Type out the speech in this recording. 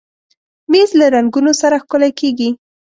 مېز له رنګونو سره ښکلی کېږي.